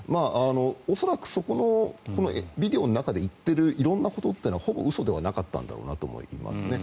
恐らくビデオの中で言っている色んなことは嘘ではなかったんだと思います。